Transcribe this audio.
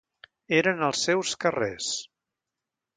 Eren els seus carrers.